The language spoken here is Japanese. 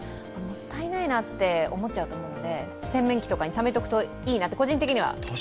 もったいないなって思っちゃうと思うので洗面器とかにためておくといいなと、個人的には。